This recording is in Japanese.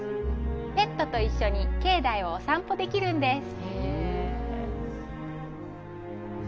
ペットと一緒に境内をお散歩できるんです。